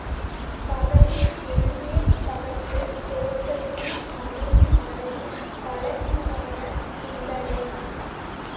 பகலில் வெளியே பகட்டு தோற்றத்தில் அமைதி மனதில் பலவீனமான சிந்தனை.